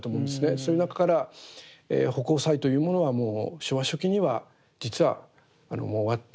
そういう中から葆光彩というものはもう昭和初期には実はもう終わって。